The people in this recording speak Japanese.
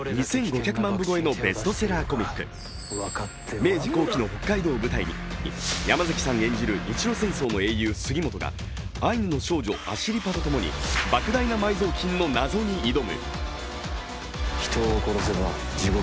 明治後期の北海道を舞台に山崎さん演じる日露戦争の英雄・杉本がアイヌの少女・アシリパとともに莫大な埋蔵金のなぞに迫る。